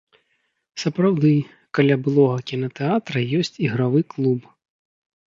Сапраўды, каля былога кінатэатра ёсць ігравы клуб.